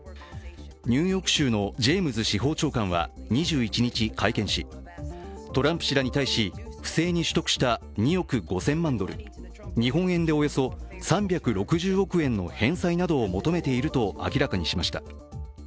ニューヨーク州のジェームズ司法長官は２１日会見しトランプ氏らに対し、不正に取得した２億５０００万ドル、日本円でおよそ３６０億円の返済などを求めていると明らかにしました。